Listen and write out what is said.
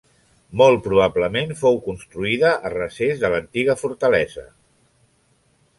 Molt probablement fou construïda a recés de l'antiga fortalesa.